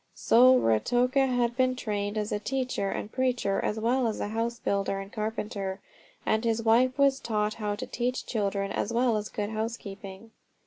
So Ruatoka had been trained as a teacher and preacher as well as a house builder and carpenter; and his wife was taught how to teach children as well as good housekeeping.